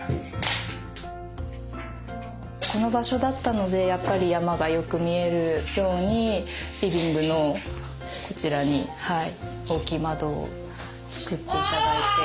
この場所だったのでやっぱり山がよく見えるようにリビングのこちらに大きい窓を作って頂いて。